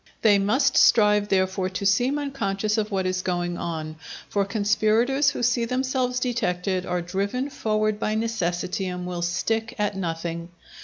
They must strive therefore to seem unconscious of what is going on; for conspirators who see themselves detected are driven forward by necessity and will stick at nothing.